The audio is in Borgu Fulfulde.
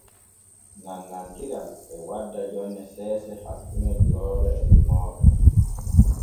Nannantiral e wadda jonne seese hakkune durooɓe e remooɓe.